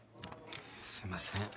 すいません。